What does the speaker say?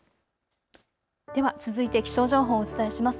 では続いて気象情報をお伝えします。